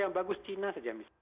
yang bagus cina saja